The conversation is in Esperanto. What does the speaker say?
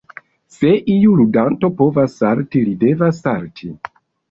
Se iu ludanto povas salti li devas salti.